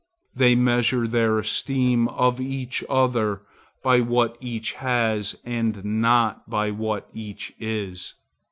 They measure their esteem of each other by what each has, and not by what each is.